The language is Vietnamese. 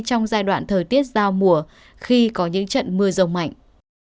trong giai đoạn thời tiết giao mùa khi có những trận mưa rông mạnh